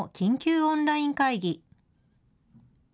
オンライン会議。